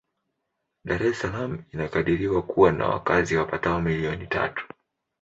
Dar es Salaam inakadiriwa kuwa na wakazi wapatao milioni tatu.